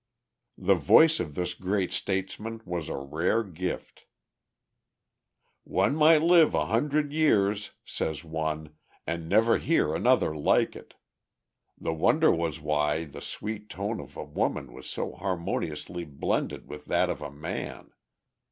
The voice of this great statesman was a rare gift: "One might live a hundred years [says one,] and never hear another like it. The wonder was why the sweet tone of a woman was so harmoniously blended with that of a man.